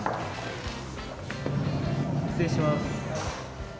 失礼します。